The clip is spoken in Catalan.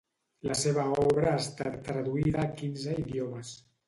La seva obra ha estat traduïda a quinze idiomes.